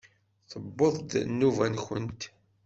Tewweḍ-d nnuba-nkent!